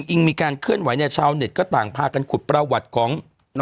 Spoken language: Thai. อิงชาวเน็ตก็ต่างฆ่ากันคุดประวัติของ